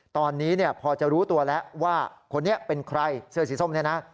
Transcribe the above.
ตอนนี้พอจะรู้ตัวแล้วว่าคนนี้เป็นใครเสื้อสีส้มเนี่ยนะ